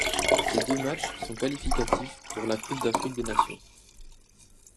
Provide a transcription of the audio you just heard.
Ces deux matchs sont qualificatifs pour la Coupe d'Afrique des nations.